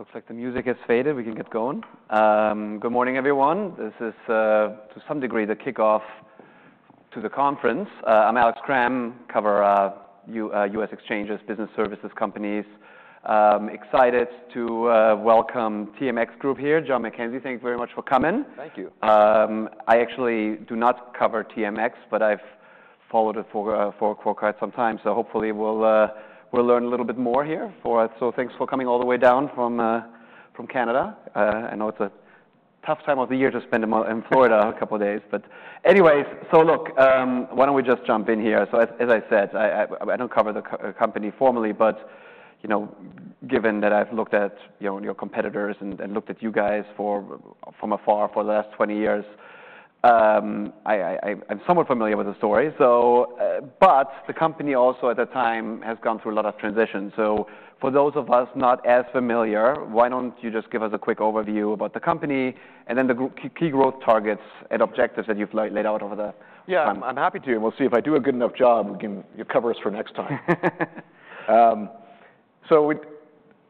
Looks like the music has faded. We can get going. Good morning, everyone. This is, to some degree, the kickoff to the conference. I'm Alex Kram, cover of U.S. Exchanges, Business Services Companies. Excited to welcome TMX Group here. John McKenzie, thank you very much for coming. Thank you. I actually do not cover TMX, but I've followed it for quite some time. Hopefully we'll learn a little bit more here, so thanks for coming all the way down from Canada. I know it's a tough time of the year to spend in Florida a couple of days. Anyways, look, why don't we just jump in here? As I said, I don't cover the company formally, but you know, given that I've looked at you know, your competitors and looked at you guys from afar for the last 20 years, I'm somewhat familiar with the story, but the company also at that time has gone through a lot of transitions. So for those of us not as familiar, why don't you just give us a quick overview about the company and then the group key growth targets and objectives that you've laid out over the time? Yeah. I'm happy to. We'll see if I do a good enough job. You can. You'll cover us for next time, so we,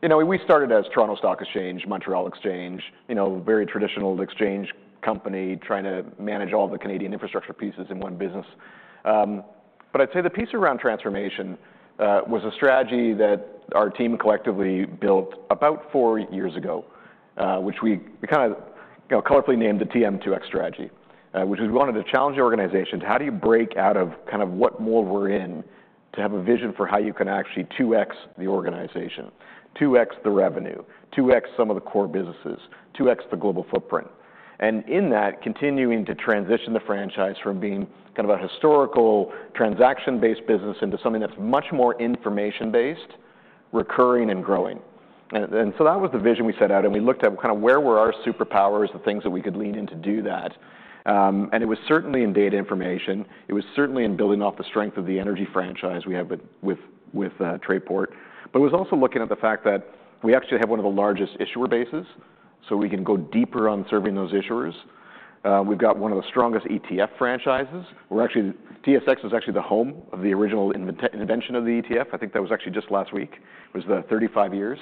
you know, we started as Toronto Stock Exchange, Montreal Exchange, you know, very traditional exchange company trying to manage all the Canadian infrastructure pieces in one business, but I'd say the piece around transformation was a strategy that our team collectively built about four years ago, which we kind of, you know, colorfully named the TM2X strategy, which is we wanted to challenge the organization to how do you break out of kind of what mold we're in to have a vision for how you can actually 2x the organization, 2x the revenue, 2x some of the core businesses, 2x the global footprint. And in that, continuing to transition the franchise from being kind of a historical transaction-based business into something that's much more information-based, recurring, and growing. And so that was the vision we set out. And we looked at kind of where were our superpowers, the things that we could lean in to do that. And it was certainly in data information. It was certainly in building off the strength of the energy franchise we have with Trayport. But it was also looking at the fact that we actually have one of the largest issuer bases, so we can go deeper on serving those issuers. We've got one of the strongest ETF franchises. We're actually. TSX was actually the home of the original invention of the ETF. I think that was actually just last week. It was 35 years.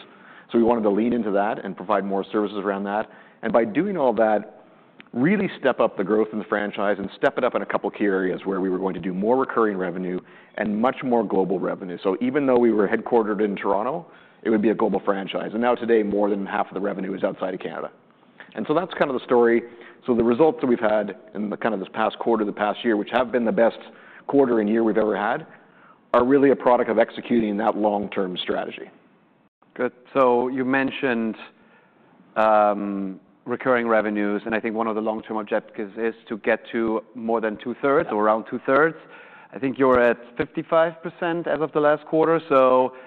So we wanted to lean into that and provide more services around that. And by doing all that, really step up the growth in the franchise and step it up in a couple of key areas where we were going to do more recurring revenue and much more global revenue. So even though we were headquartered in Toronto, it would be a global franchise. And now today, more than half of the revenue is outside of Canada. And so that's kind of the story. So the results that we've had in the kind of this past quarter of the past year, which have been the best quarter and year we've ever had, are really a product of executing that long-term strategy. Good. So you mentioned recurring revenues. And I think one of the long-term objectives is to get to more than 2/3 or around 2/3. I think you're at 55% as of the last quarter. So, you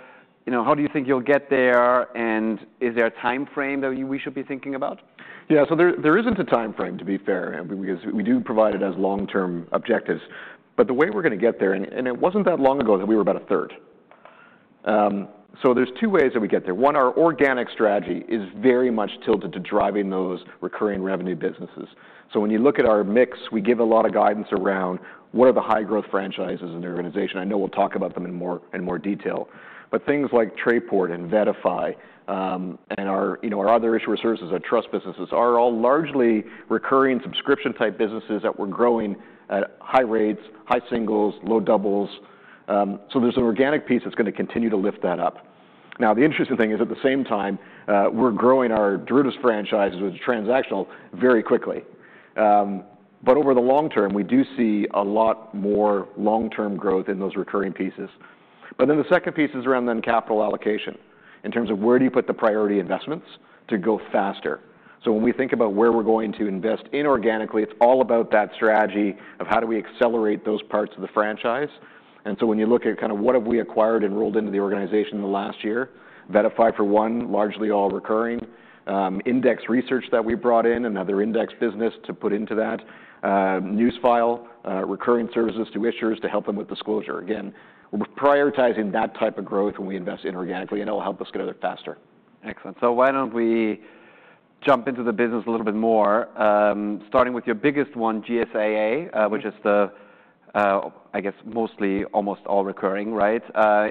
know, how do you think you'll get there? And is there a timeframe that we should be thinking about? Yeah. There isn't a timeframe, to be fair, because we do provide it as long-term objectives, but the way we're gonna get there, and it wasn't that long ago that we were about a third, so there's two ways that we get there. One, our organic strategy is very much tilted to driving those recurring revenue businesses. When you look at our mix, we give a lot of guidance around what are the high-growth franchises in the organization. I know we'll talk about them in more and more detail. Things like Trayport and VettaFi, and our, you know, our other issuer services, our trust businesses, are all largely recurring subscription-type businesses that we're growing at high rates, high singles, low doubles, so there's an organic piece that's gonna continue to lift that up. Now, the interesting thing is at the same time, we're growing our derivatives franchises with transactional very quickly, but over the long term, we do see a lot more long-term growth in those recurring pieces. But then the second piece is around the capital allocation in terms of where do you put the priority investments to go faster. So when we think about where we're going to invest inorganically, it's all about that strategy of how do we accelerate those parts of the franchise. And so when you look at kind of what have we acquired and rolled into the organization in the last year, VettaFi for one, largely all recurring, index research that we brought in, another index business to put into that, Newsfile, recurring services to issuers to help them with disclosure. Again, we're prioritizing that type of growth when we invest inorganically, and it'll help us get a little faster. Excellent. So why don't we jump into the business a little bit more, starting with your biggest one, GSAA, which is the, I guess mostly almost all recurring, right?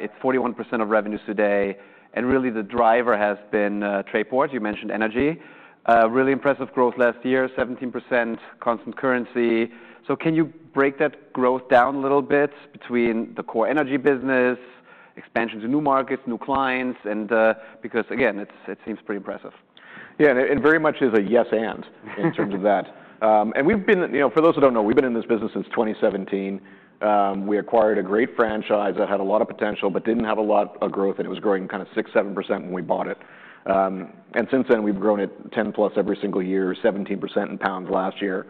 It's 41% of revenues today. And really the driver has been, Trayport. You mentioned energy. Really impressive growth last year, 17% constant currency. So can you break that growth down a little bit between the core energy business, expansion to new markets, new clients, and, because again, it seems pretty impressive? Yeah. And it, it very much is a yes and in terms of that. And we've been, you know, for those who don't know, we've been in this business since 2017. We acquired a great franchise that had a lot of potential but didn't have a lot of growth, and it was growing kind of 6%-7% when we bought it. And since then, we've grown it 10+ every single year, 17% in pounds last year,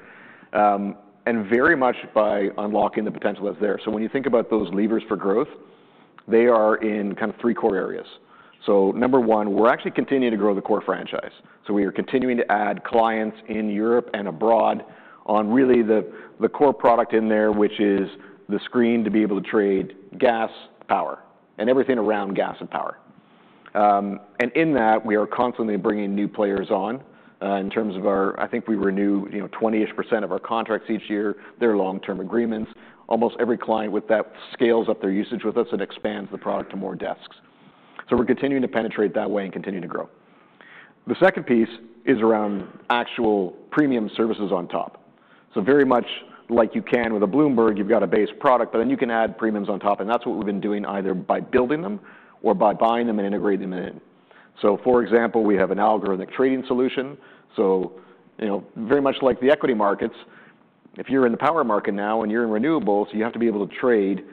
and very much by unlocking the potential that's there. So when you think about those levers for growth, they are in kind of three core areas. So number one, we're actually continuing to grow the core franchise. So we are continuing to add clients in Europe and abroad on really the, the core product in there, which is the screen to be able to trade gas, power, and everything around gas and power. And in that, we are constantly bringing new players on, in terms of our I think we renew, you know, 20-ish% of our contracts each year. They're long-term agreements. Almost every client with that scales up their usage with us and expands the product to more desks. So we're continuing to penetrate that way and continue to grow. The second piece is around actual premium services on top. So very much like you can with a Bloomberg, you've got a base product, but then you can add premiums on top. And that's what we've been doing either by building them or by buying them and integrating them in. So for example, we have an algorithmic trading solution. So, you know, very much like the equity markets, if you're in the power market now and you're in renewables, you have to be able to trade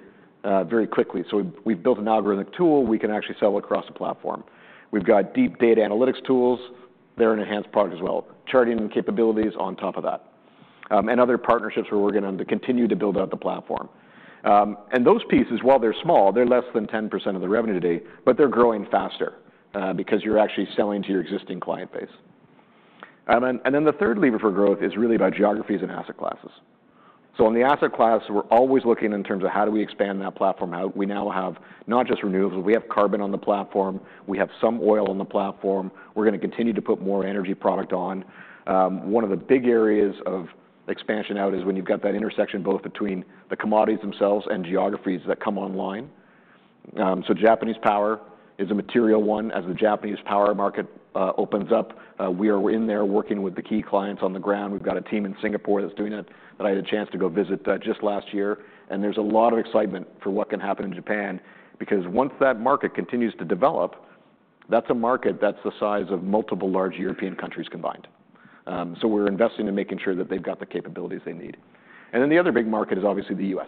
very quickly. We've built an algorithmic tool we can actually sell across the platform. We've got deep data analytics tools. They're an enhanced product as well, charting capabilities on top of that, and other partnerships where we're gonna continue to build out the platform. Those pieces, while they're small, they're less than 10% of the revenue today, but they're growing faster, because you're actually selling to your existing client base. The third lever for growth is really about geographies and asset classes. On the asset class, we're always looking in terms of how do we expand that platform. We now have not just renewables. We have carbon on the platform. We have some oil on the platform. We're gonna continue to put more energy product on. One of the big areas of expansion out is when you've got that intersection both between the commodities themselves and geographies that come online. So Japanese power is a material one. As the Japanese power market opens up, we are in there working with the key clients on the ground. We've got a team in Singapore that's doing it that I had a chance to go visit, just last year. And there's a lot of excitement for what can happen in Japan because once that market continues to develop, that's a market that's the size of multiple large European countries combined. So we're investing in making sure that they've got the capabilities they need. And then the other big market is obviously the U.S.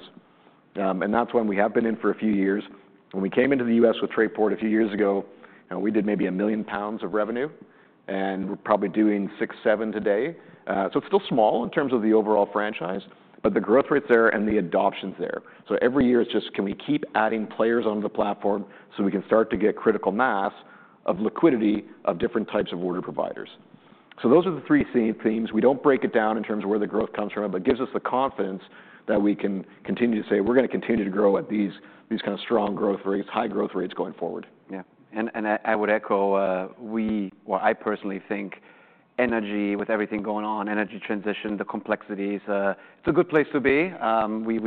And that's one we have been in for a few years. When we came into the U.S. with Trayport a few years ago, you know, we did maybe 1 million pounds of revenue, and we're probably doing 6 million-7 million today, so it's still small in terms of the overall franchise, but the growth rates there and the adoptions there, so every year it's just, can we keep adding players onto the platform so we can start to get critical mass of liquidity of different types of order providers, so those are the three things. We don't break it down in terms of where the growth comes from, but it gives us the confidence that we can continue to say we're gonna continue to grow at these, these kind of strong growth rates, high growth rates going forward. Yeah. And I would echo. We definitely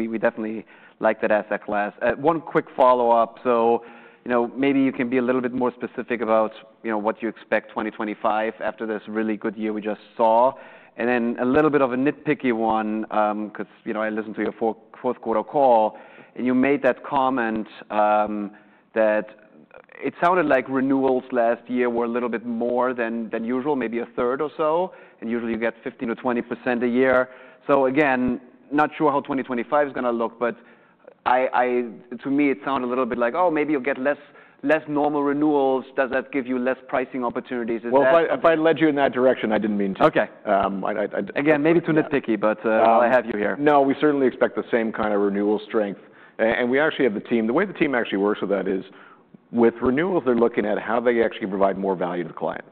like that asset class. One quick follow-up. So, you know, maybe you can be a little bit more specific about, you know, what you expect 2025 after this really good year we just saw. And then a little bit of a nitpicky one, 'cause, you know, I listened to your fourth quarter call, and you made that comment, that it sounded like renewals last year were a little bit more than usual, maybe a third or so. And usually you get 15%-20% a year. So again, not sure how 2025 is gonna look, but to me, it sounded a little bit like, oh, maybe you'll get less normal renewals. Does that give you less pricing opportunities? Is that? If I led you in that direction, I didn't mean to. Okay. I. Again, maybe too nitpicky, but I have you here. No, we certainly expect the same kind of renewal strength. And we actually have the team. The way the team actually works with that is with renewals, they're looking at how they actually provide more value to the client.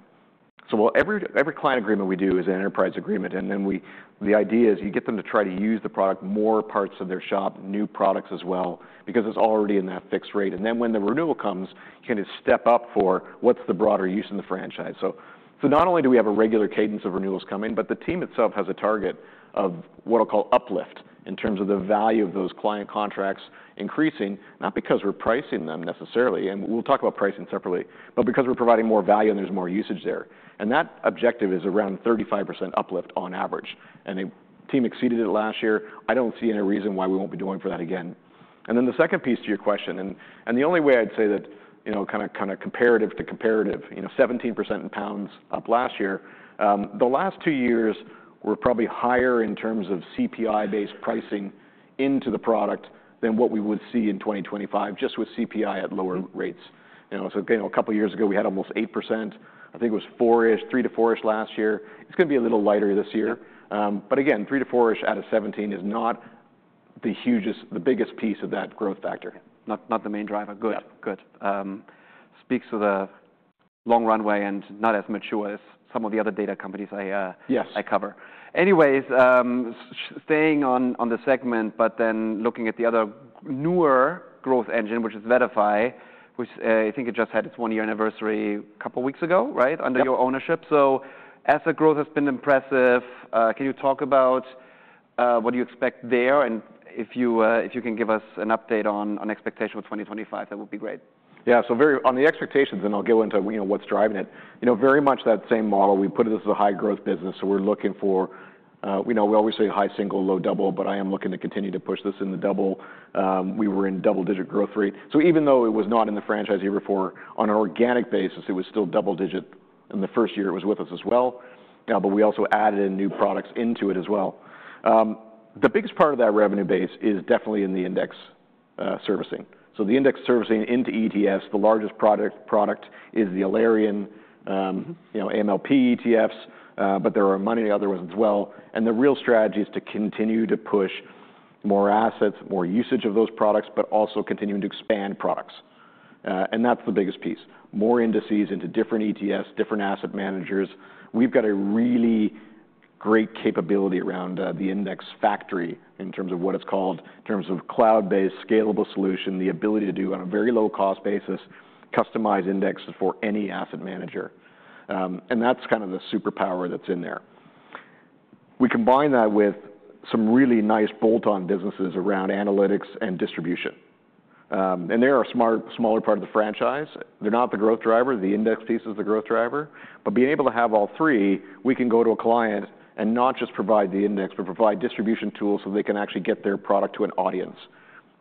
So, every client agreement we do is an enterprise agreement. And then, the idea is you get them to try to use the product more parts of their shop, new products as well, because it's already in that fixed rate. And then when the renewal comes, you can just step up for what's the broader use in the franchise. So, not only do we have a regular cadence of renewals coming, but the team itself has a target of what I'll call uplift in terms of the value of those client contracts increasing, not because we're pricing them necessarily. And we'll talk about pricing separately, but because we're providing more value and there's more usage there. And that objective is around 35% uplift on average. And the team exceeded it last year. I don't see any reason why we won't be doing for that again. And then the second piece to your question, and the only way I'd say that, you know, kind of comparative to comparative, you know, 17% in pounds up last year, the last two years were probably higher in terms of CPI-based pricing into the product than what we would see in 2025 just with CPI at lower rates. You know, so again, a couple of years ago we had almost 8%. I think it was four-ish, three to four-ish last year. It's gonna be a little lighter this year. But again, three to four-ish out of 17 is not the hugest, the biggest piece of that growth factor. Not, not the main driver. Good. Yeah. Good. Speaks to the long runway and not as mature as some of the other data companies I, Yes. I cover. Anyways, staying on, on the segment, but then looking at the other newer growth engine, which is VettaFi, which, I think it just had its one-year anniversary a couple of weeks ago, right, under your ownership. So asset growth has been impressive. Can you talk about, what do you expect there? And if you, if you can give us an update on, on expectation for 2025, that would be great. Yeah, so very on the expectations, and I'll get into, you know, what's driving it, you know, very much that same model. We put this as a high-growth business. We're looking for, you know, we always say high single, low double, but I am looking to continue to push this in the double. We were in double-digit growth rate. Even though it was not in the franchise year before, on an organic basis, it was still double-digit in the first year it was with us as well, but we also added in new products into it as well. The biggest part of that revenue base is definitely in the index servicing. The index servicing into ETFs, the largest product is the Alerian, you know, AMLP ETFs, but there are many other ones as well. And the real strategy is to continue to push more assets, more usage of those products, but also continuing to expand products. And that's the biggest piece. More indices into different ETFs, different asset managers. We've got a really great capability around, the Index Factory in terms of what it's called, in terms of cloud-based scalable solution, the ability to do on a very low-cost basis, customize indexes for any asset manager. And that's kind of the superpower that's in there. We combine that with some really nice bolt-on businesses around analytics and distribution. And they're a smart, smaller part of the franchise. They're not the growth driver. The index piece is the growth driver. But being able to have all three, we can go to a client and not just provide the index, but provide distribution tools so they can actually get their product to an audience.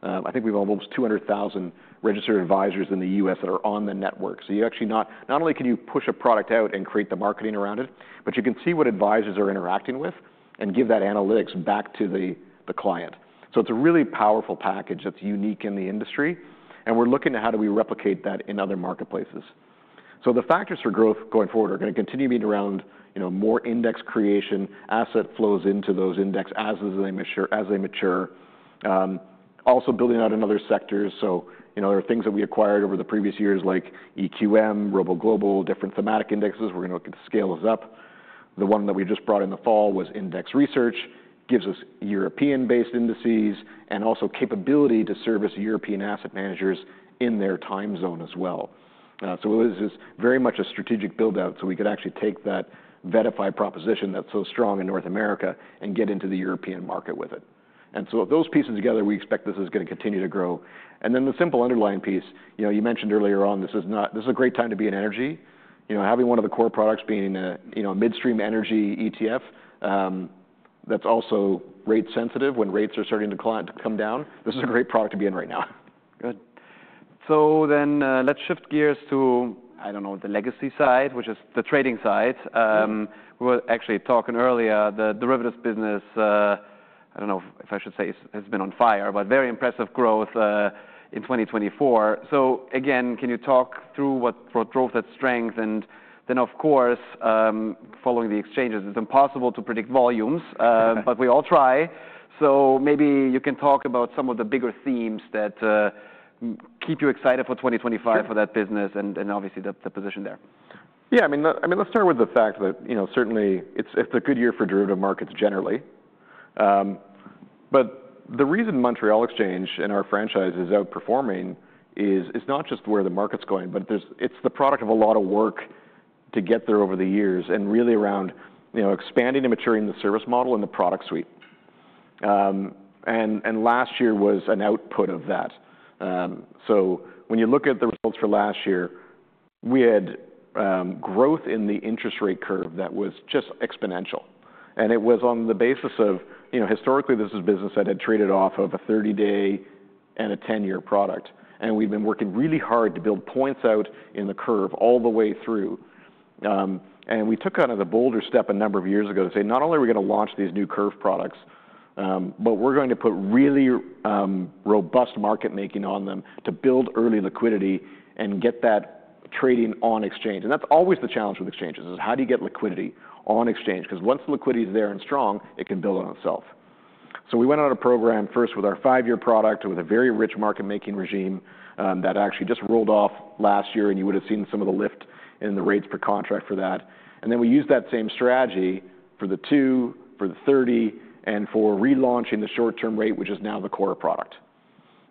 I think we have almost 200,000 registered advisors in the U.S. that are on the network. So you actually not only can you push a product out and create the marketing around it, but you can see what advisors are interacting with and give that analytics back to the client. So it's a really powerful package that's unique in the industry. And we're looking at how do we replicate that in other marketplaces. So the factors for growth going forward are gonna continue being around, you know, more index creation, asset flows into those index as they mature. Also building out in other sectors. So, you know, there are things that we acquired over the previous years like EQM, ROBO Global, different thematic indexes. We're gonna scale this up. The one that we just brought in the fall was index research, gives us European-based indices and also capability to service European asset managers in their time zone as well, so it is very much a strategic build-out, so we could actually take that VettaFi proposition that's so strong in North America and get into the European market with it, and so those pieces together, we expect this is gonna continue to grow, and then the simple underlying piece, you know, you mentioned earlier on, this is not, this is a great time to be in energy. You know, having one of the core products being in a, you know, midstream energy ETF, that's also rate-sensitive when rates are starting to climb, to come down. This is a great product to be in right now. Good. So then, let's shift gears to, I don't know, the legacy side, which is the trading side. We were actually talking earlier, the derivatives business. I don't know if I should say it's been on fire, but very impressive growth, in 2024. So again, can you talk through what drove that strength? And then, of course, following the exchanges, it's impossible to predict volumes, but we all try. So maybe you can talk about some of the bigger themes that keep you excited for 2025 for that business and obviously the position there. Yeah. I mean, I mean, let's start with the fact that, you know, certainly it's a good year for derivative markets generally, but the reason Montreal Exchange and our franchise is outperforming is not just where the market's going, but there's, it's the product of a lot of work to get there over the years and really around, you know, expanding and maturing the service model and the product suite, and last year was an output of that, so when you look at the results for last year, we had growth in the interest rate curve that was just exponential, and it was on the basis of, you know, historically this is business that had traded off of a 30-day and a 10-year product, and we've been working really hard to build points out in the curve all the way through. And we took kind of the bolder step a number of years ago to say not only are we gonna launch these new curve products, but we're going to put really robust market making on them to build early liquidity and get that trading on exchange. And that's always the challenge with exchanges: how do you get liquidity on exchange? 'Cause once the liquidity's there and strong, it can build on itself. So we went on a program first with our five-year product with a very rich market making regime that actually just rolled off last year. And you would've seen some of the lift in the rates per contract for that. And then we used that same strategy for the two, for the 30, and for relaunching the short-term rate, which is now the core product.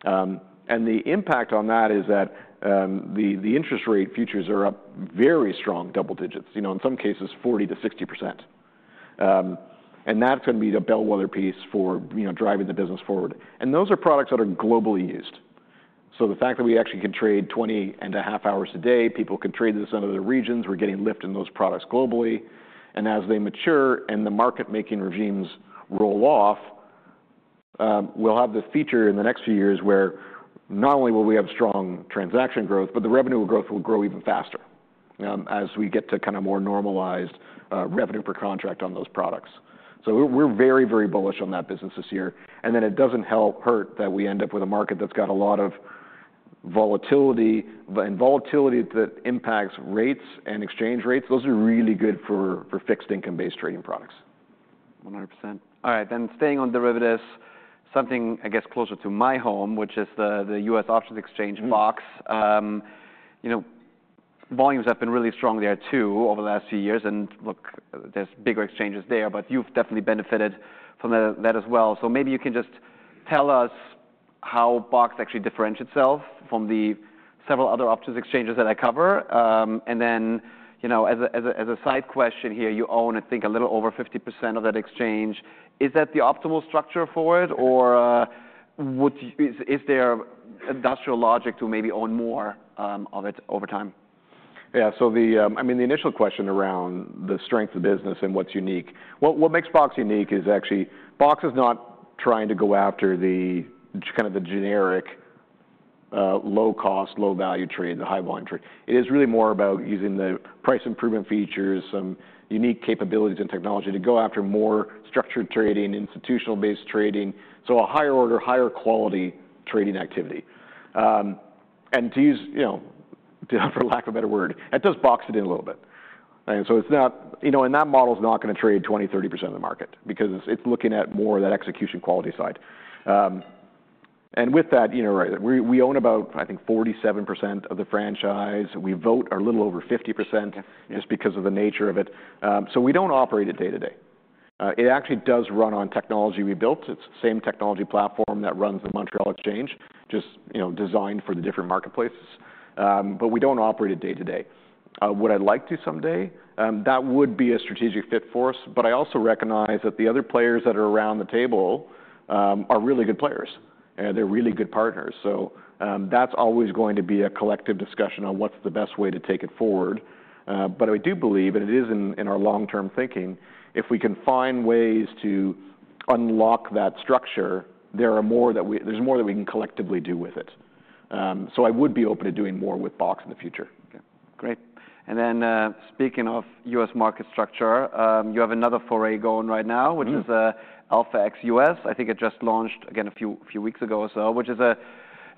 The impact on that is that, the interest rate futures are up very strong double digits, you know, in some cases 40%-60%. That's gonna be the bellwether piece for, you know, driving the business forward. Those are products that are globally used. So the fact that we actually can trade 20 and a half hours a day, people can trade this in other regions. We're getting lift in those products globally. As they mature and the market making regimes roll off, we'll have the feature in the next few years where not only will we have strong transaction growth, but the revenue growth will grow even faster, as we get to kind of more normalized revenue per contract on those products. So we're very, very bullish on that business this year. And then it doesn't hurt that we end up with a market that's got a lot of volatility, but the volatility that impacts rates and exchange rates is really good for fixed income-based trading products. 100%. All right. Then staying on derivatives, something I guess closer to my home, which is the U.S. Options Exchange, BOX. You know, volumes have been really strong there too over the last few years. And look, there's bigger exchanges there, but you've definitely benefited from that as well. So maybe you can just tell us how BOX actually differentiates itself from the several other options exchanges that I cover. And then, you know, as a side question here, you own, I think, a little over 50% of that exchange. Is that the optimal structure for it? Or, is there industrial logic to maybe own more of it over time? Yeah. So, I mean, the initial question around the strength of the business and what's unique, what makes BOX unique is actually BOX is not trying to go after the kind of the generic, low-cost, low-value trade, the high-volume trade. It is really more about using the price improvement features, some unique capabilities and technology to go after more structured trading, institutional-based trading. So a higher order, higher quality trading activity and to use, you know, for lack of a better word, it does box it in a little bit. And so it's not, you know, and that model's not gonna trade 20%-30% of the market because it's looking at more of that execution quality side. And with that, you know, right, we own about, I think, 47% of the franchise. We vote a little over 50% just because of the nature of it. So we don't operate it day to day. It actually does run on technology we built. It's the same technology platform that runs the Montreal Exchange, just, you know, designed for the different marketplaces. But we don't operate it day to day. What I'd like to someday, that would be a strategic fit for us. But I also recognize that the other players that are around the table are really good players and they're really good partners. So, that's always going to be a collective discussion on what's the best way to take it forward. But I do believe, and it is in, in our long-term thinking, if we can find ways to unlock that structure, there are more that we, there's more that we can collectively do with it. So I would be open to doing more with BOX in the future. Okay. Great. And then, speaking of U.S. market structure, you have another foray going right now, which is AlphaX U.S. I think it just launched again a few weeks ago or so, which is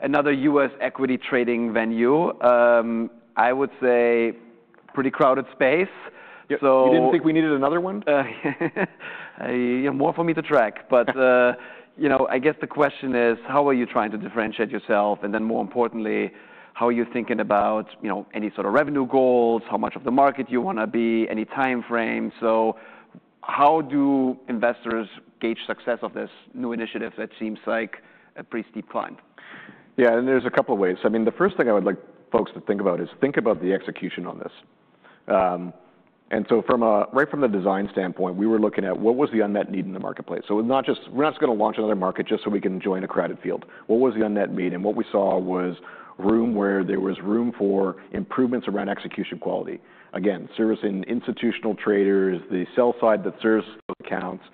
another U.S. equity trading venue. I would say pretty crowded space. Yep. You didn't think we needed another one? You have more for me to track, but you know, I guess the question is, how are you trying to differentiate yourself, and then more importantly, how are you thinking about, you know, any sort of revenue goals, how much of the market you wanna be, any timeframe, so how do investors gauge success of this new initiative that seems like a pretty steep climb? Yeah. And there's a couple of ways. I mean, the first thing I would like folks to think about is the execution on this. And so from a right from the design standpoint, we were looking at what was the unmet need in the marketplace. So it's not just, we're not just gonna launch another market just so we can join a crowded field. What was the unmet need? And what we saw was room for improvements around execution quality. Again, servicing institutional traders, the sell side that serves those accounts.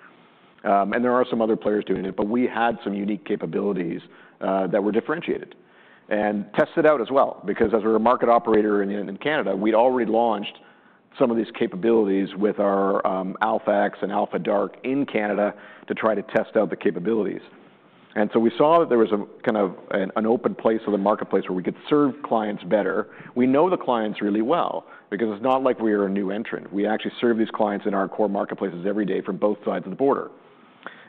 And there are some other players doing it, but we had some unique capabilities that were differentiated and tested out as well. Because as we were a market operator in Canada, we'd already launched some of these capabilities with our AlphaX and Alpha DRK in Canada to try to test out the capabilities. And so we saw that there was a kind of an open place of the marketplace where we could serve clients better. We know the clients really well because it's not like we are a new entrant. We actually serve these clients in our core marketplaces every day from both sides of the border.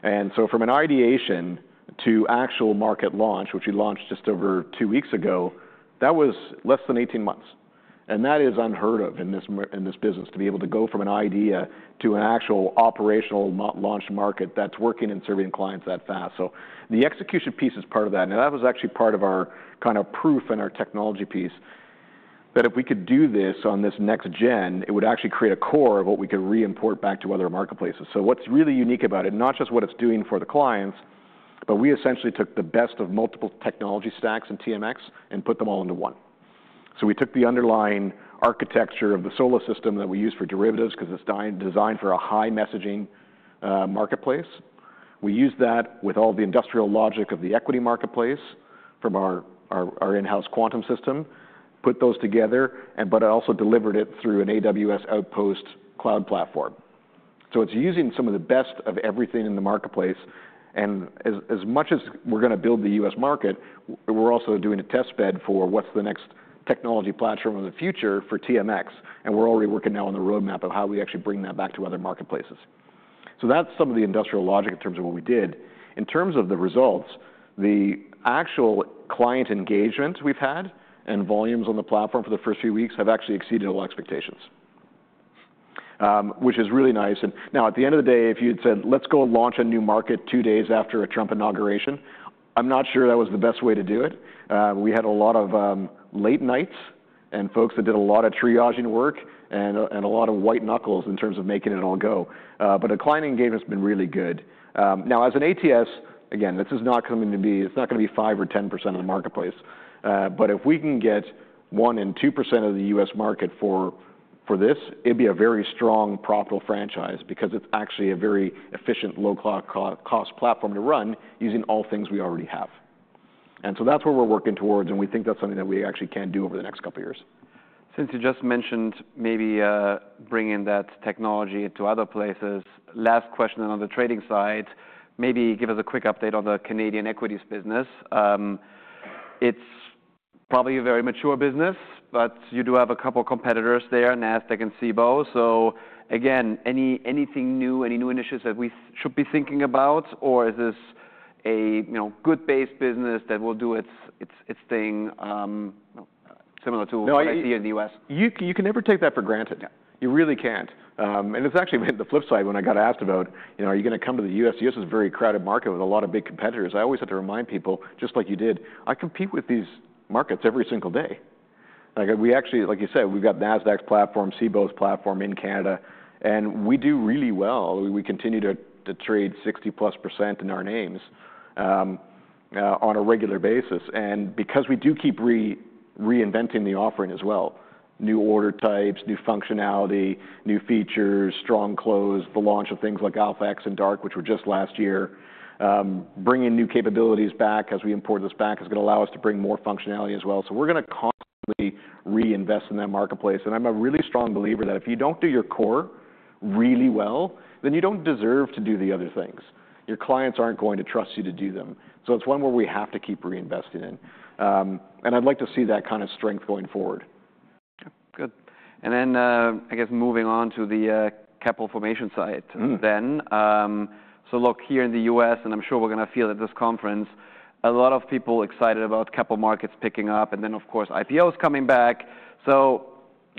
And so from an ideation to actual market launch, which we launched just over two weeks ago, that was less than 18 months. And that is unheard of in this business to be able to go from an idea to an actual operational launch market that's working and serving clients that fast. So the execution piece is part of that. That was actually part of our kind of proof and our technology piece that if we could do this on this next gen, it would actually create a core of what we could re-import back to other marketplaces. What's really unique about it, not just what it's doing for the clients, but we essentially took the best of multiple technology stacks in TMX and put them all into one. We took the underlying architecture of the SOLA system that we use for derivatives 'cause it's designed for a high messaging marketplace. We used that with all the industrial logic of the equity marketplace from our in-house Quantum system, put those together, but it also delivered it through an AWS Outposts cloud platform. It's using some of the best of everything in the marketplace. As much as we're gonna build the U.S. market, we're also doing a test bed for what's the next technology platform of the future for TMX. We're already working now on the roadmap of how we actually bring that back to other marketplaces. That's some of the industrial logic in terms of what we did. In terms of the results, the actual client engagement we've had and volumes on the platform for the first few weeks have actually exceeded all expectations, which is really nice. Now at the end of the day, if you had said, let's go launch a new market two days after a Trump inauguration, I'm not sure that was the best way to do it. We had a lot of late nights and folks that did a lot of triaging work and a lot of white knuckles in terms of making it all go. But a client engagement's been really good. Now as an ATS, again, this is not coming to be, it's not gonna be 5% or 10% of the marketplace. But if we can get 1% and 2% of the U.S. market for this, it'd be a very strong, profitable franchise because it's actually a very efficient low-cost platform to run using all things we already have. And so that's what we're working towards. And we think that's something that we actually can do over the next couple of years. Since you just mentioned maybe bringing that technology to other places, last question on the trading side, maybe give us a quick update on the Canadian equities business. It's probably a very mature business, but you do have a couple of competitors there, Nasdaq and Cboe. So again, anything new, any new initiatives that we should be thinking about, or is this a you know good base business that will do its thing, similar to what I see in the U.S.? No, you can never take that for granted. You really can't. And it's actually been the flip side when I got asked about, you know, are you gonna come to the U.S.? The U.S. is a very crowded market with a lot of big competitors. I always have to remind people, just like you did, I compete with these markets every single day. Like we actually, like you said, we've got Nasdaq's platform, Cboe's platform in Canada, and we do really well. We continue to trade 60%+ in our names, on a regular basis. And because we do keep reinventing the offering as well, new order types, new functionality, new features, strong close, the launch of things like AlphaX and DRK, which were just last year, bringing new capabilities back as we import this back is gonna allow us to bring more functionality as well. So we're gonna constantly reinvest in that marketplace, and I'm a really strong believer that if you don't do your core really well, then you don't deserve to do the other things. Your clients aren't going to trust you to do them, so it's one where we have to keep reinvesting in, and I'd like to see that kind of strength going forward. Okay. Good. And then, I guess moving on to the capital formation side then. So look here in the U.S., and I'm sure we're gonna feel at this conference a lot of people excited about capital markets picking up and then, of course, IPOs coming back.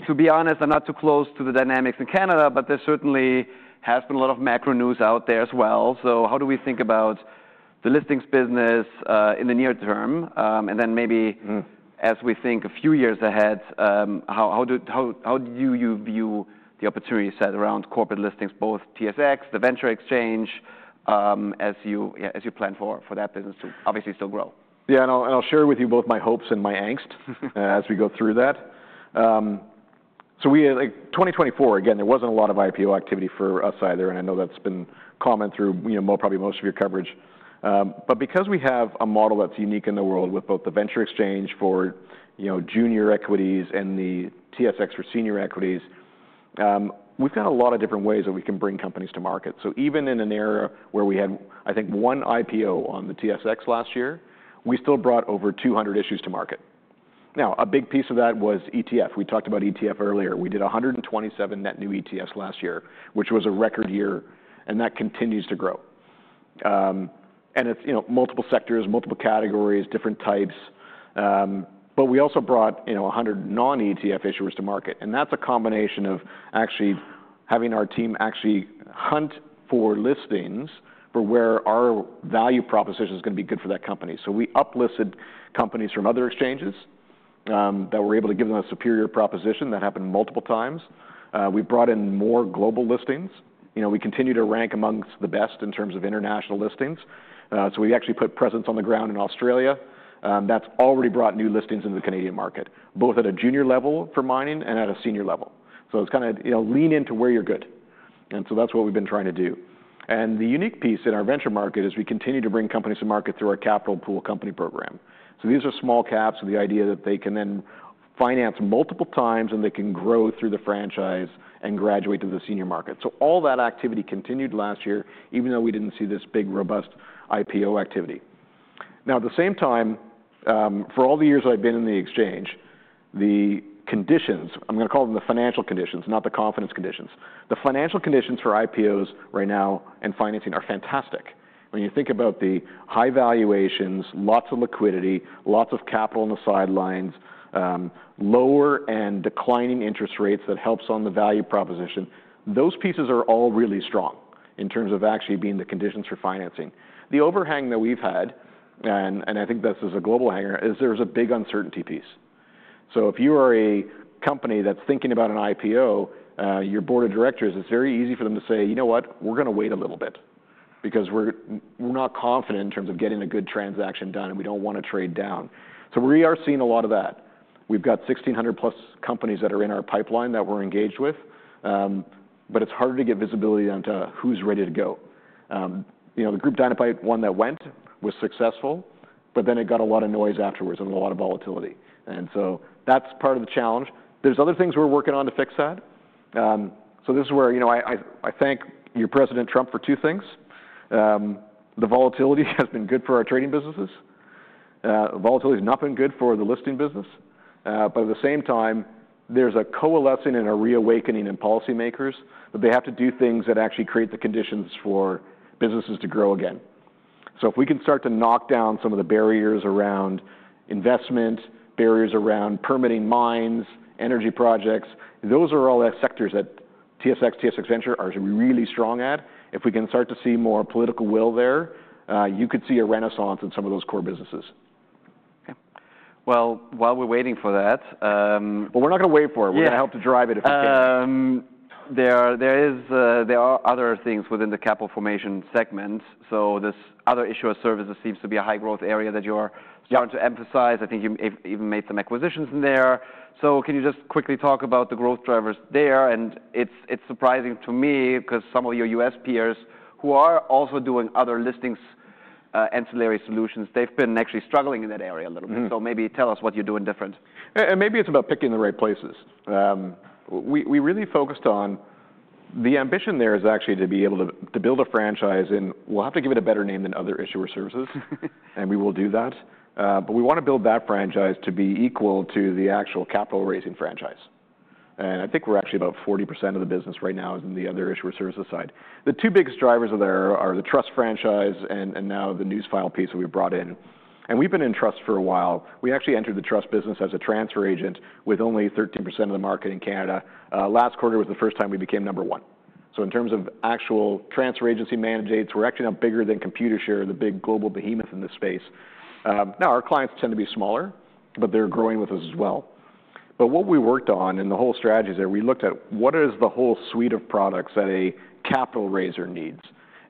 To be honest, I'm not too close to the dynamics in Canada, but there certainly has been a lot of macro news out there as well. So how do we think about the listings business in the near term? And then maybe as we think a few years ahead, how do you view the opportunity set around corporate listings, both TSX, the venture exchange, as you plan for that business to obviously still grow? Yeah. And I'll share with you both my hopes and my angst as we go through that, so we, like 2024, again, there wasn't a lot of IPO activity for us either, and I know that's been common through, you know, probably most of your coverage, but because we have a model that's unique in the world with both the venture exchange for, you know, junior equities and the TSX for senior equities, we've got a lot of different ways that we can bring companies to market, so even in an era where we had, I think, one IPO on the TSX last year, we still brought over 200 issues to market. Now, a big piece of that was ETF. We talked about ETF earlier. We did 127 net new ETFs last year, which was a record year, and that continues to grow. It's, you know, multiple sectors, multiple categories, different types. But we also brought, you know, 100 non-ETF issuers to market. And that's a combination of actually having our team actually hunt for listings for where our value proposition's gonna be good for that company. So we uplisted companies from other exchanges, that were able to give them a superior proposition. That happened multiple times. We brought in more global listings. You know, we continue to rank amongst the best in terms of international listings. So we actually put presence on the ground in Australia. That's already brought new listings into the Canadian market, both at a junior level for mining and at a senior level. So it's kind of, you know, lean into where you're good. And so that's what we've been trying to do. The unique piece in our venture market is we continue to bring companies to market through our Capital Pool Company program. These are small caps with the idea that they can then finance multiple times and they can grow through the franchise and graduate to the senior market. All that activity continued last year, even though we didn't see this big robust IPO activity. Now, at the same time, for all the years I've been in the exchange, the conditions, I'm gonna call them the financial conditions, not the confidence conditions. The financial conditions for IPOs right now and financing are fantastic. When you think about the high valuations, lots of liquidity, lots of capital on the sidelines, lower and declining interest rates that helps on the value proposition, those pieces are all really strong in terms of actually being the conditions for financing. The overhang that we've had, and I think this is a global overhang, is there's a big uncertainty piece. So if you are a company that's thinking about an IPO, your board of directors, it's very easy for them to say, you know what, we're gonna wait a little bit because we're not confident in terms of getting a good transaction done and we don't wanna trade down. So we are seeing a lot of that. We've got 1,600+ companies that are in our pipeline that we're engaged with. But it's harder to get visibility onto who's ready to go. You know, the Groupe Dynamite one that went was successful, but then it got a lot of noise afterwards and a lot of volatility, and so that's part of the challenge. There's other things we're working on to fix that. So this is where, you know, I thank your president, Trump, for two things. The volatility has been good for our trading businesses. The volatility has not been good for the listing business, but at the same time, there's a coalescing and a reawakening in policymakers that they have to do things that actually create the conditions for businesses to grow again. So if we can start to knock down some of the barriers around investment, barriers around permitting mines, energy projects, those are all the sectors that TSX, TSX Venture are really strong at. If we can start to see more political will there, you could see a renaissance in some of those core businesses. Okay, well, while we're waiting for that. Well, we're not gonna wait for it. We're gonna help to drive it if we can. There are other things within the capital formation segment. So this other issue of services seems to be a high growth area that you are starting to emphasize. I think you even made some acquisitions in there. So can you just quickly talk about the growth drivers there? And it's surprising to me 'cause some of your U.S. peers who are also doing other listings, ancillary solutions, they've been actually struggling in that area a little bit. So maybe tell us what you're doing different? Maybe it's about picking the right places. We really focused on the ambition there is actually to be able to build a franchise and we'll have to give it a better name than other issuer services, and we will do that. We wanna build that franchise to be equal to the actual capital raising franchise. I think we're actually about 40% of the business right now is in the other issuer services side. The two biggest drivers there are the trust franchise and now the Newsfile piece that we've brought in. We've been in trust for a while. We actually entered the trust business as a transfer agent with only 13% of the market in Canada. Last quarter was the first time we became number one. So in terms of actual transfer agency mandates, we're actually now bigger than Computershare, the big global behemoth in this space. Now our clients tend to be smaller, but they're growing with us as well. But what we worked on in the whole strategy is that we looked at what is the whole suite of products that a capital raiser needs.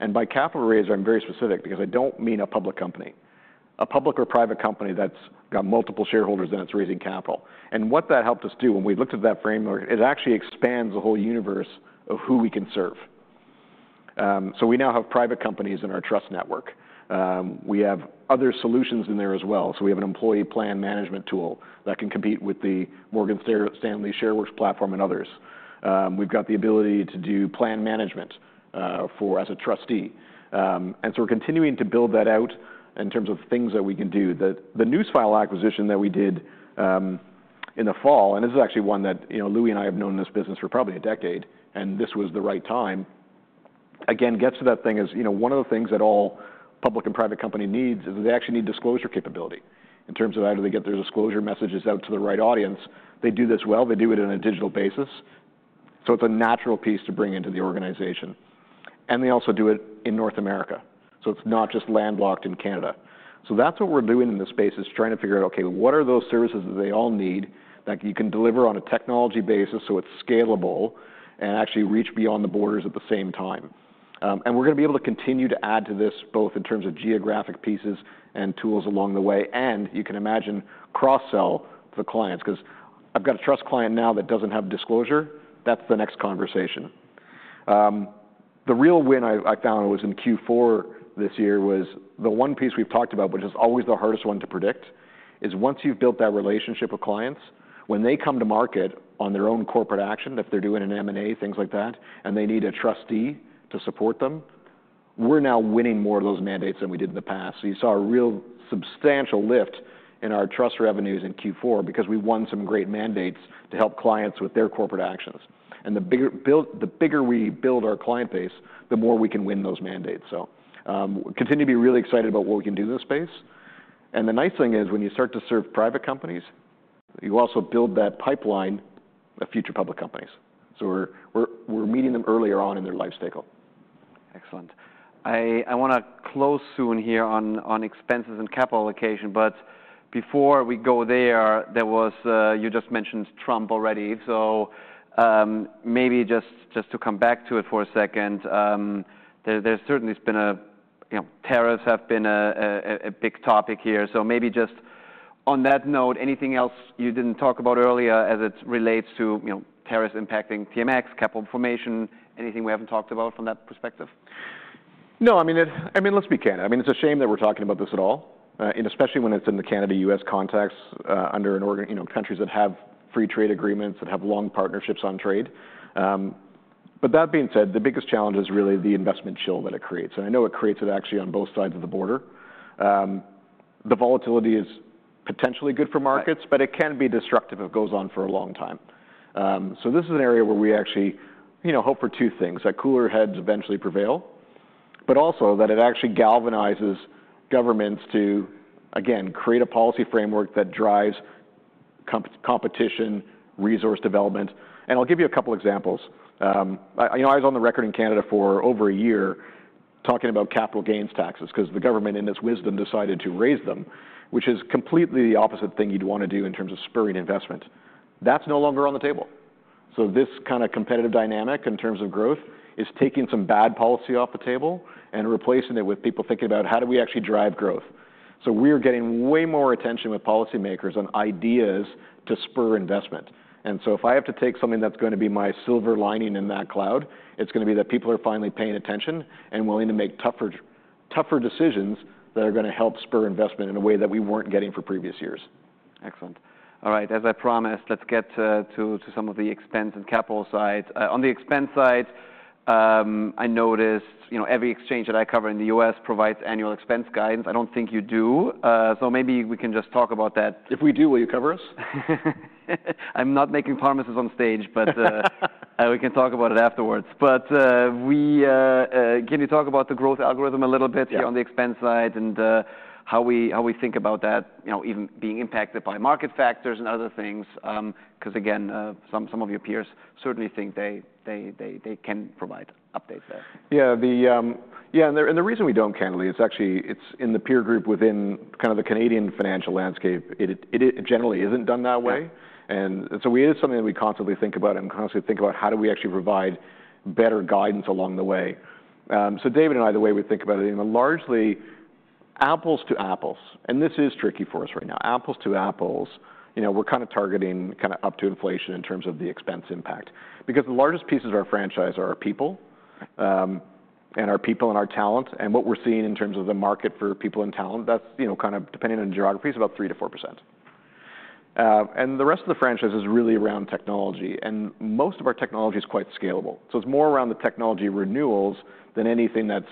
And by capital raiser, I'm very specific because I don't mean a public company, a public or private company that's got multiple shareholders and it's raising capital. And what that helped us do when we looked at that framework, it actually expands the whole universe of who we can serve. So we now have private companies in our trust network. We have other solutions in there as well. So we have an employee plan management tool that can compete with the Morgan Stanley Shareworks platform and others. We've got the ability to do plan management, for as a trustee. And so we're continuing to build that out in terms of things that we can do that the Newsfile acquisition that we did, in the fall, and this is actually one that, you know, Louis and I have known this business for probably a decade, and this was the right time. Again, gets to that thing as, you know, one of the things that all public and private company needs is they actually need disclosure capability in terms of how do they get their disclosure messages out to the right audience. They do this well. They do it on a digital basis. So it's a natural piece to bring into the organization. And they also do it in North America. So it's not just landlocked in Canada. So that's what we're doing in this space is trying to figure out, okay, what are those services that they all need that you can deliver on a technology basis so it's scalable and actually reach beyond the borders at the same time? And we're gonna be able to continue to add to this both in terms of geographic pieces and tools along the way, and you can imagine cross-sell to the clients 'cause I've got a trust client now that doesn't have disclosure. That's the next conversation. The real win I found was in Q4 this year was the one piece we've talked about, which is always the hardest one to predict, once you've built that relationship with clients, when they come to market on their own corporate action, if they're doing an M&A, things like that, and they need a trustee to support them, we're now winning more of those mandates than we did in the past, so you saw a real substantial lift in our trust revenues in Q4 because we won some great mandates to help clients with their corporate actions, and the bigger we build our client base, the more we can win those mandates, so continue to be really excited about what we can do in this space. The nice thing is when you start to serve private companies, you also build that pipeline of future public companies. We're meeting them earlier on in their life cycle. Excellent. I wanna close soon here on expenses and capital allocation. But before we go there, you just mentioned Trump already. So, maybe just to come back to it for a second, there's certainly been a, you know, tariffs have been a big topic here. So maybe just on that note, anything else you didn't talk about earlier as it relates to, you know, tariffs impacting TMX, capital formation, anything we haven't talked about from that perspective? No, I mean, I mean, let's be candid. I mean, it's a shame that we're talking about this at all, and especially when it's in the Canada-U.S. context, under an organization, you know, countries that have free trade agreements that have long partnerships on trade. But that being said, the biggest challenge is really the investment chill that it creates. And I know it creates it actually on both sides of the border. The volatility is potentially good for markets, but it can be destructive if it goes on for a long time. So this is an area where we actually, you know, hope for two things: that cooler heads eventually prevail, but also that it actually galvanizes governments to, again, create a policy framework that drives competition, resource development. And I'll give you a couple of examples. You know, I was on the record in Canada for over a year talking about capital gains taxes 'cause the government, in its wisdom, decided to raise them, which is completely the opposite thing you'd wanna do in terms of spurring investment. That's no longer on the table. So this kind of competitive dynamic in terms of growth is taking some bad policy off the table and replacing it with people thinking about how do we actually drive growth. So we are getting way more attention with policymakers on ideas to spur investment. And so if I have to take something that's gonna be my silver lining in that cloud, it's gonna be that people are finally paying attention and willing to make tougher, tougher decisions that are gonna help spur investment in a way that we weren't getting for previous years. Excellent. All right. As I promised, let's get to some of the expense and capital side. On the expense side, I noticed, you know, every exchange that I cover in the U.S. provides annual expense guidance. I don't think you do. So maybe we can just talk about that. If we do, will you cover us? I'm not making promises on stage, but we can talk about it afterwards. But can you talk about the growth algorithm a little bit here on the expense side and how we think about that, you know, even being impacted by market factors and other things? 'Cause again, some of your peers certainly think they can provide updates there. Yeah. The reason we don't, candidly, it's actually in the peer group within kind of the Canadian financial landscape. It generally isn't done that way. So we is something that we constantly think about and constantly think about how do we actually provide better guidance along the way, so David and I, the way we think about it, you know, largely apples to apples. This is tricky for us right now. Apples to apples, you know, we're kind of targeting kind of up to inflation in terms of the expense impact because the largest pieces of our franchise are our people and our talent. What we're seeing in terms of the market for people and talent, that's, you know, kind of depending on geography, is about 3%-4%. And the rest of the franchise is really around technology. And most of our technology is quite scalable. So it's more around the technology renewals than anything that's,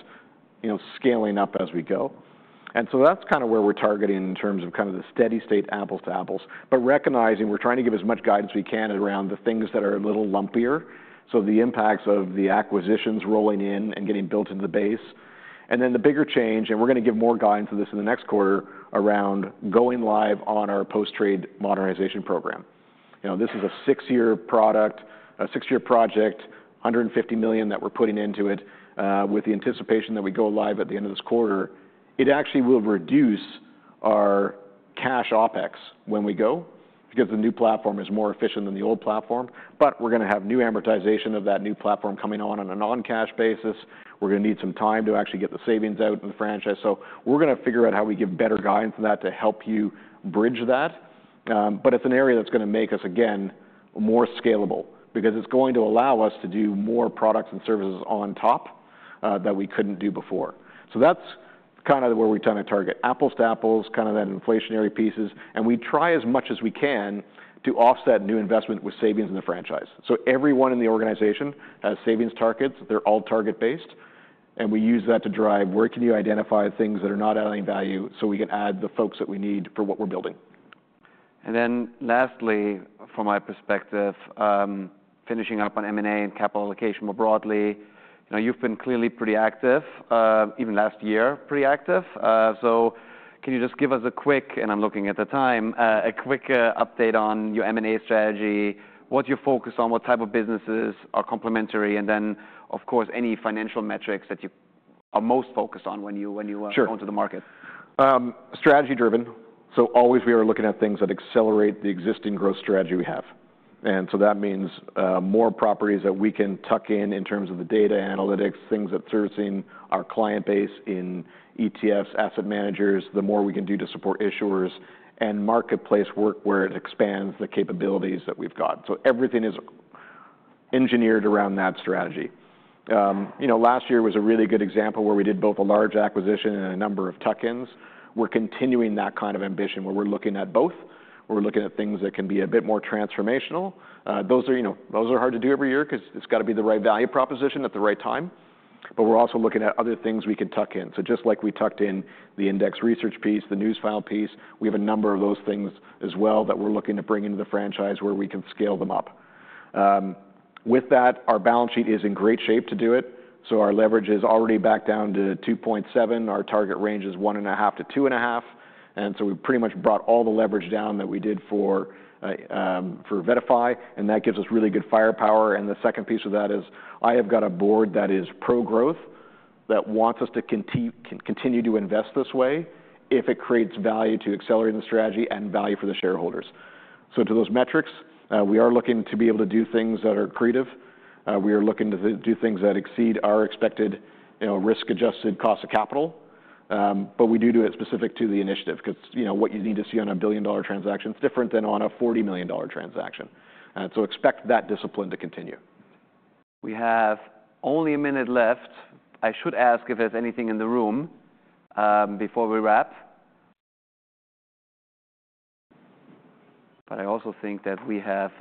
you know, scaling up as we go. And so that's kind of where we're targeting in terms of kind of the steady state apples to apples, but recognizing we're trying to give as much guidance we can around the things that are a little lumpier. So the impacts of the acquisitions rolling in and getting built into the base. And then the bigger change, and we're gonna give more guidance to this in the next quarter around going live on our Post-Trade Modernization program. You know, this is a six-year product, a six-year project, 150 million that we're putting into it, with the anticipation that we go live at the end of this quarter. It actually will reduce our cash OpEx when we go because the new platform is more efficient than the old platform. But we're gonna have new amortization of that new platform coming on on a non-cash basis. We're gonna need some time to actually get the savings out in the franchise. So we're gonna figure out how we give better guidance on that to help you bridge that. But it's an area that's gonna make us, again, more scalable because it's going to allow us to do more products and services on top, that we couldn't do before. So that's kind of where we're trying to target apples to apples, kind of that inflationary pieces. And we try as much as we can to offset new investment with savings in the franchise. So everyone in the organization has savings targets. They're all target-based. We use that to drive where you can identify things that are not adding value so we can add the folks that we need for what we're building. And then lastly, from my perspective, finishing up on M&A and capital allocation more broadly, you know, you've been clearly pretty active, even last year, pretty active. So can you just give us a quick, and I'm looking at the time, a quick, update on your M&A strategy? What's your focus on? What type of businesses are complementary? And then, of course, any financial metrics that you are most focused on when you are going to the market? Sure. Strategy-driven. So always we are looking at things that accelerate the existing growth strategy we have. And so that means, more properties that we can tuck in in terms of the data analytics, things that serve our client base in ETFs, asset managers, the more we can do to support issuers and marketplace work where it expands the capabilities that we've got. So everything is engineered around that strategy. You know, last year was a really good example where we did both a large acquisition and a number of tuck-ins. We're continuing that kind of ambition where we're looking at both. We're looking at things that can be a bit more transformational. Those are, you know, those are hard to do every year 'cause it's gotta be the right value proposition at the right time. But we're also looking at other things we can tuck in. So just like we tucked in the index research piece, the Newsfile piece, we have a number of those things as well that we're looking to bring into the franchise where we can scale them up. With that, our balance sheet is in great shape to do it. So our leverage is already back down to 2.7. Our target range is one and a half to two and a half. And so we've pretty much brought all the leverage down that we did for VettaFi. And that gives us really good firepower. And the second piece of that is I have got a board that is pro-growth that wants us to continue to invest this way if it creates value to accelerate the strategy and value for the shareholders. So to those metrics, we are looking to be able to do things that are accretive. We are looking to do things that exceed our expected, you know, risk-adjusted cost of capital, but we do do it specific to the initiative 'cause, you know, what you need to see on a billion-dollar transaction is different than on a 40 million-dollar transaction, so expect that discipline to continue. We have only a minute left. I should ask if there's anything in the room before we wrap. But I also think that we have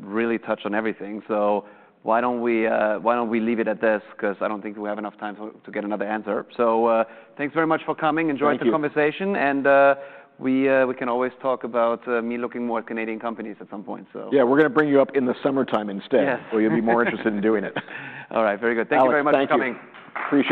really touched on everything. So why don't we leave it at this? 'Cause I don't think we have enough time to get another answer. So, thanks very much for coming. Enjoyed the conversation. And we can always talk about me looking more at Canadian companies at some point, so. Yeah, we're gonna bring you up in the summertime instead. Yes. Or you'll be more interested in doing it. All right. Very good. Thank you very much for coming. Appreciate it.